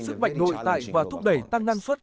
sức mạnh nội tại và thúc đẩy tăng năng suất